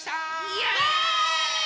イエーイ！